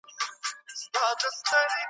په ژوندوني سو کمزوری لکه مړی .